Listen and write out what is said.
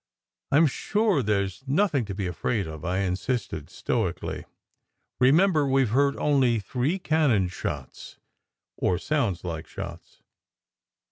"I m sure there s nothing to be afraid of," I insisted stoically. "Remember, we ve heard only three cannon shots, or sounds like shots.